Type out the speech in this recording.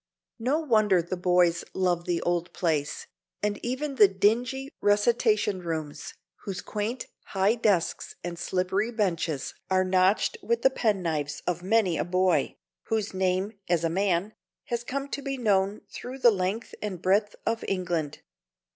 No wonder the boys love the old place, and even the dingy recitation rooms, whose quaint, high desks and slippery benches are notched with the penknives of many a boy, whose name, as a man, has come to be known through the length and breadth of England.